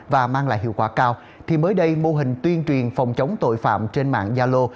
và mang lại hiệu quả cao thì mới đây mô hình tuyên truyền phòng chống tội phạm trên mạng gia lô